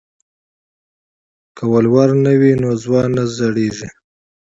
که ولور نه وي نو ځوان نه زړیږي.